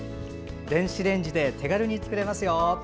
電子レンジで手軽に作れますよ。